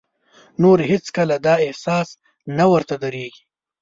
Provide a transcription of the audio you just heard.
نور هېڅ کله دا احساس نه ورته درېږي.